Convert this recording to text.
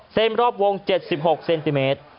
รอบวง๗๖เซนติเมตร